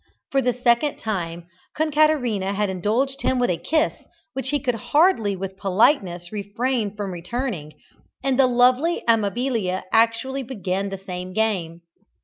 For the second time, Concaterina had indulged him with a kiss, which he could hardly with politeness refrain from returning, and the lovely Amabilia actually began the same game.